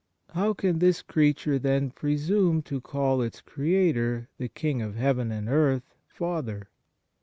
How can this creature, then, presume to call its Creator, the King of heaven and earth, Father